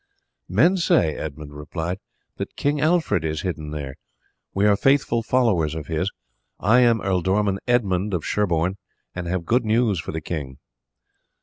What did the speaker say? "Men say," Edmund replied, "that King Alfred is hidden there. We are faithful followers of his. I am Ealdorman Edmund of Sherborne, and have good news for the king."